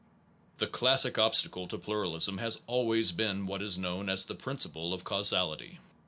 The classic obstacle to plu ralism has always been what is known as the principle of causality.